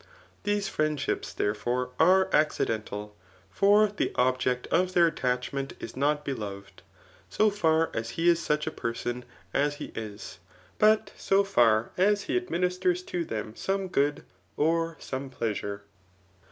These friendships, therefore, are accidental j for the ob* ject of their attachment is not beloved, so far as he is such a person as he is, but so far as he administers to them some good, or some pleasure.